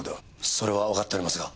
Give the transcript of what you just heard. それはわかっておりますが。